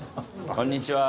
こんにちは。